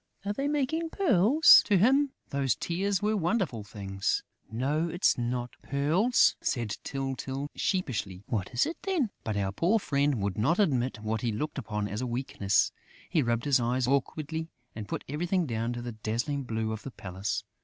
Are they making pearls?" To him those tears were wonderful things. "No, it's not pearls," said Tyltyl, sheepishly. "What is it then?" But our poor friend would not admit what he looked upon as a weakness. He rubbed his eyes awkwardly and put everything down to the dazzling blue of the palace.